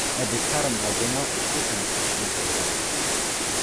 Eddig három albuma és huszonöt kislemeze jelent meg.